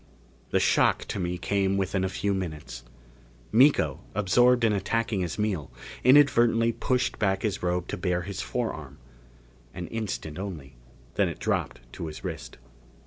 The shock to me came within a few minutes. Miko, absorbed in attacking his meal, inadvertently pushed back his robe to bare his forearm. An instant only, then it dropped to his wrist.